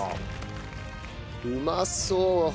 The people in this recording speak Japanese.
うまそう！